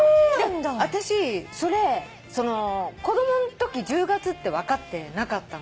私それ子供のとき１０月って分かってなかったの。